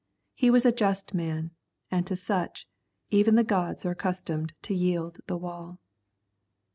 He was a just man, and to such, even the gods are accustomed to yield the wall.